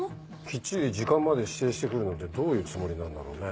きっちり時間まで指定して来るなんてどういうつもりなんだろうね。